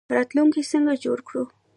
راتلونکی څنګه جوړ کړو؟